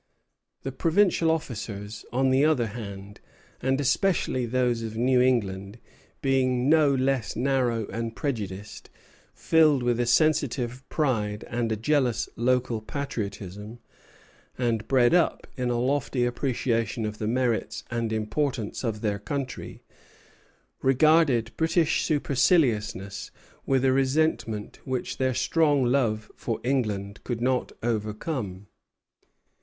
The provincial officers, on the other hand, and especially those of New England, being no less narrow and prejudiced, filled with a sensitive pride and a jealous local patriotism, and bred up in a lofty appreciation of the merits and importance of their country, regarded British superciliousness with a resentment which their strong love for England could not overcome.